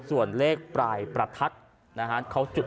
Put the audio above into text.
ส่วนเลขปลายประทัด